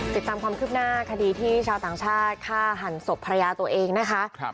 ติดตามความคืบหน้าคดีที่ชาวต่างชาติฆ่าหันศพภรรยาตัวเองนะคะ